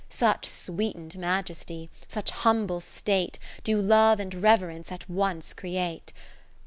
Such sweetened Majesty, such humble State, Do love and reverence at once create.